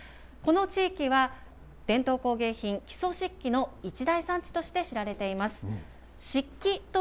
この地域は、伝統工芸品、木曽漆器の一大産地として知られています。